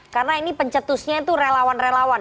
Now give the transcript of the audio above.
karena ini pencetusnya itu relawan relawan